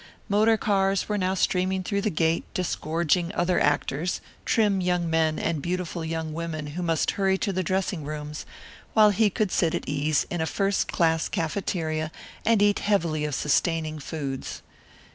Motor cars were now streaming through the gate, disgorging other actors trim young men and beautiful young women who must hurry to the dressing rooms while he could sit at ease in a first class cafeteria and eat heavily of sustaining foods.